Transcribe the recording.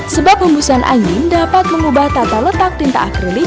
sebab bumbusan angin dapat mengubah tata letak tinta akrilik